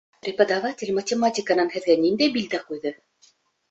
Преподаватель математиканан һеҙгә ниндәй билдә ҡуйҙы?